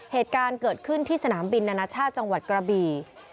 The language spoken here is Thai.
เหตุการณ์เกิดขึ้นที่สนามบินนานาชาติจังหวัดกระบี่